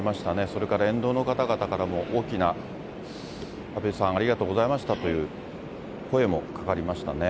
それから沿道の方々からも、大きな、安倍さんありがとうございましたという声もかかりましたね。